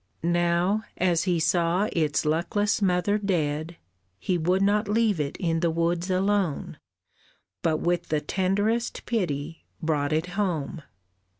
Now, as he saw its luckless mother dead, He would not leave it in the woods alone, But with the tenderest pity brought it home.